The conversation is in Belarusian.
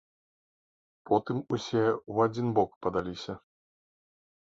Потым усе ў адзін бок падаліся.